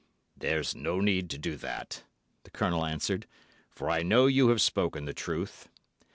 "There's no need to do that," the Colonel answered, "for I know you have spoken the truth.